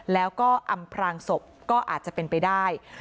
แล้วก็อำพรางศพก็อาจจะเป็นไปได้